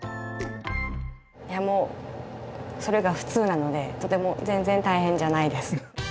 いやもうそれが普通なのでとても全然大変じゃないです。